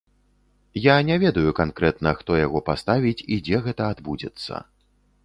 Я не ведаю канкрэтна, хто яго паставіць і дзе гэта адбудзецца.